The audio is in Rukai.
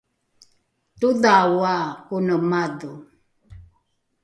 todhaoa kone madho!